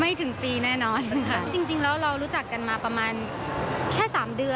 ไม่ถึงปีแน่นอนจริงแล้วเรารู้จักกันมาประมาณแค่๓เดือน